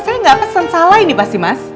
saya gak pesen salah ini pasti mas